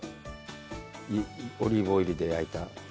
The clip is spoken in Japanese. オリーブオイルで焼いた？